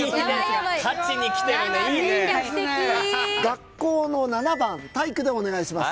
学校の７番体育でお願いします。